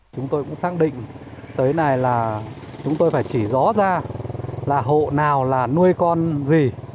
chúng tôi cũng xác định tới nay là chúng tôi phải chỉ rõ ra là hộ nào là nuôi con gì